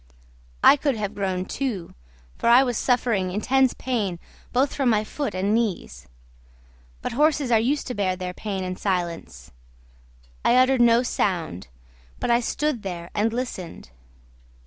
I could have groaned, too, for I was suffering intense pain both from my foot and knees; but horses are used to bear their pain in silence. I uttered no sound, but I stood there and listened.